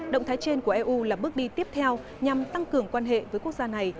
động thái trên của eu là bước đi tiếp theo nhằm tăng cường quan hệ với quốc gia này